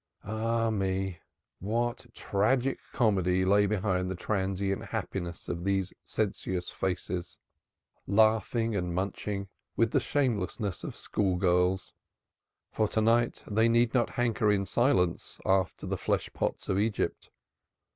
Ah, me! what tragic comedy lay behind the transient happiness of these sensuous faces, laughing and munching with the shamelessness of school girls! For to night they need not hanker in silence after the flesh pots of Egypt.